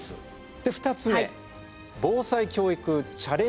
で２つ目「防災教育チャレンジプラン」。